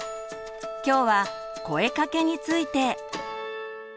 今日は「声かけ」について。